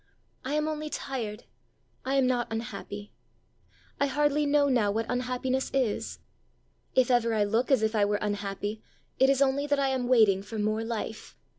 I am only tired; I am not unhappy. I hardly know now what unhappiness is! If ever I look as if I were unhappy, it is only that I am waiting for more life.